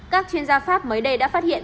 các chuyên gia pháp mới đây đã phát hiện